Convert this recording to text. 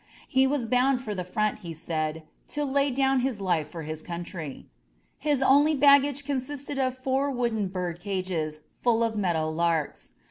He was bound for the front, he said, to lay down his life for his country. His only baggage consisted of four wooden bird cages full of meadow larks.